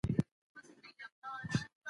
که چېرې عادل پاچا وای نو هېواد به نه ورانېدی.